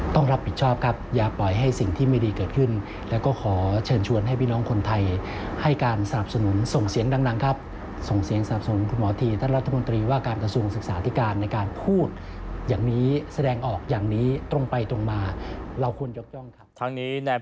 ทางนี้แนวแพทย์ธิราเกียรติก็ได้ยกลง